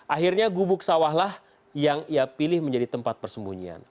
akhirnya gubuk sawahlah yang ia pilih menjadi tempat persembunyian